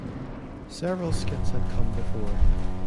Several skits had come before.